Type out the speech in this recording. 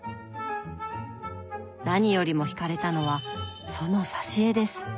何よりもひかれたのはその挿絵です。